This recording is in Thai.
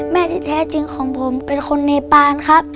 แม่ที่แท้จริงของผมเป็นคนเนปานครับ